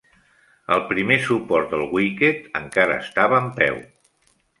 El primer suport del wicket encara estava en peu.